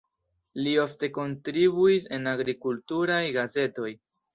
Li ofte kontribuis en agrikulturaj gazetoj.